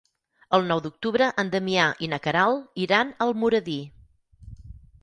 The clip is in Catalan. El nou d'octubre en Damià i na Queralt iran a Almoradí.